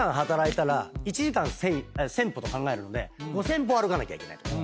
１時間１，０００歩と考えるので５，０００歩歩かなきゃいけないとか。